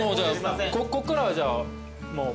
ここからはじゃあもう。